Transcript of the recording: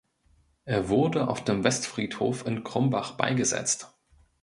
Er wurde auf dem Westfriedhof in Krumbach beigesetzt.